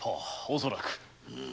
おそらく。